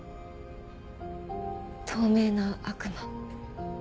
透明な悪魔。